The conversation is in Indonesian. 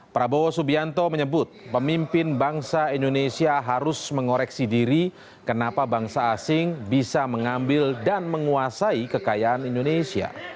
prabowo subianto menyebut pemimpin bangsa indonesia harus mengoreksi diri kenapa bangsa asing bisa mengambil dan menguasai kekayaan indonesia